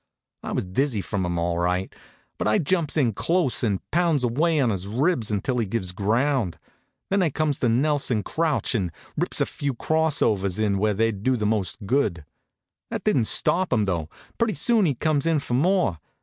I was dizzy from 'em all right; but I jumps in close an' pounds away on his ribs until he gives ground. Then I comes the Nelson crouch, and rips a few cross overs in where they'd do the most good. That didn't stop him, though. Pretty soon he comes in for more.